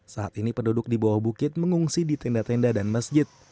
saat ini penduduk di bawah bukit mengungsi di tenda tenda dan masjid